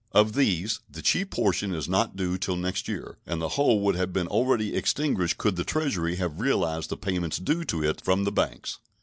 Of these the chief portion is not due till next year, and the whole would have been already extinguished could the Treasury have realized the payments due to it from the banks.